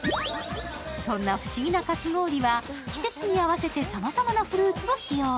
そんな不思議なかき氷は、季節に合わせてさまざまなフルーツを使用。